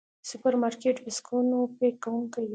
سوپرمارکېټ بکسونو پيک کوونکي دي.